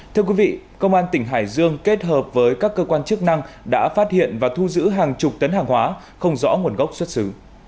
thưa quý vị công an tỉnh hải dương kết hợp với các cơ quan chức năng đã phát hiện và thu giữ hàng chục tấn hàng hóa không rõ nguồn gốc xuất xứ